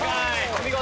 お見事！